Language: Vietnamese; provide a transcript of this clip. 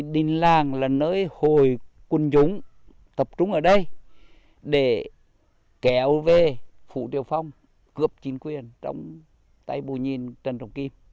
đình làng là nơi hồi quân chúng tập trung ở đây để kéo về phụ tiểu phong cướp chính quyền trong tay bùi nhìn trần trọng kim